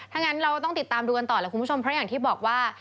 ทั้งนั้นเราต้องติดตามดูกันต่อเพราะอย่างที่บอกว่า